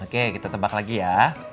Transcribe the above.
oke kita tebak lagi ya